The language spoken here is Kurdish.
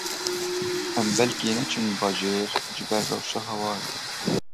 Em belkî neçin bajêr jiber rewşa hewayê